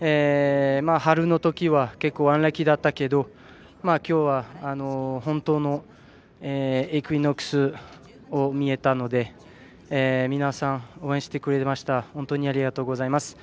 春のときはアンラッキーだったけど今日は本当のイクイノックスを見れたので皆さん、応援してくれて本当にありがとうございます。